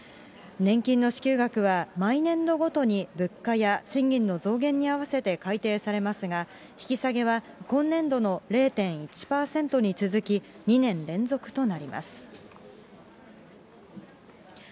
年金の支給額は、毎年度ごとに物価や賃金の増減に合わせて改定されますが、引き下げは今年度の０．１％に続き、２年連続となります。